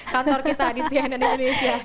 kantor kita di sian dan indonesia